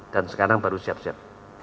sekarang baru siap siap